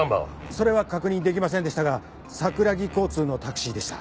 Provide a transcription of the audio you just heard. それは確認できませんでしたが桜木交通のタクシーでした。